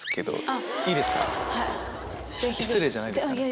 失礼じゃないですか？